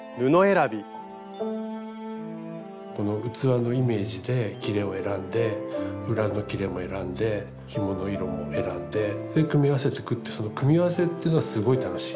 この器のイメージできれを選んで裏のきれも選んでひもの色も選んで組み合わせてくっていうその組み合わせってのはすごい楽しい。